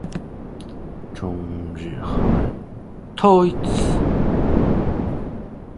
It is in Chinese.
中日韩统一表意文字。